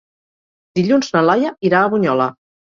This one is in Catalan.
Dilluns na Laia irà a Bunyola.